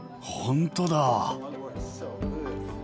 ほんとだ。